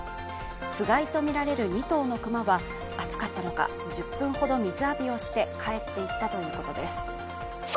つがいとみられる２頭の熊は、暑かったのか１０分ほど水浴びをして帰っていったということです。